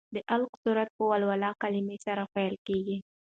د علق سورت په ولوله کلمې سره پیل کېږي.